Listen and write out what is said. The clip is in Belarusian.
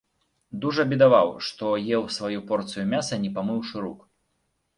Дужа бедаваў, што еў сваю порцыю мяса не памыўшы рук.